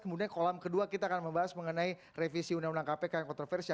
kemudian kolam kedua kita akan membahas mengenai revisi undang undang kpk yang kontroversial